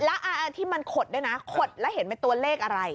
แล้วที่มันขดด้วยนะขดแล้วเห็นเป็นตัวเลขอะไร